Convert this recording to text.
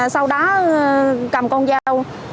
sau đó cầm con dao